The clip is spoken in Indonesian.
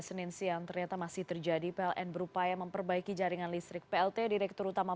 senin siang ternyata masih terjadi pln berupaya memperbaiki jaringan listrik plt direktur utama